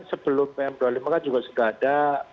sebelum pm dua puluh lima kan juga sekadar